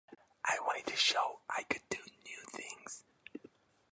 I wanted to show I could do new things.